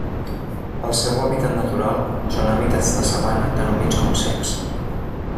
El seu hàbitat natural són hàbitats de sabana tant humits com secs.